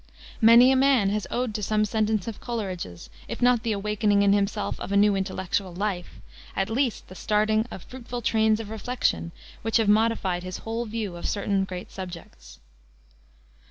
Many a man has owed to some sentence of Coleridge's, if not the awakening in himself of a new intellectual life, at least the starting of fruitful trains of reflection which have modified his whole view of certain great subjects.